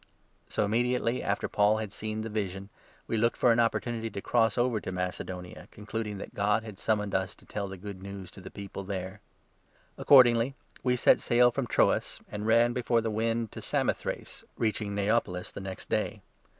So, immediately after Paul had seen the 10 vision, we looked for an opportunity to cross over to Mace donia, concluding that God had summoned us to tell the Good News to the people there. Paul at Accordingly we set sail from Troas, and ran u phiiippi. before the wind to Samothrace, reaching Neapolis the next day.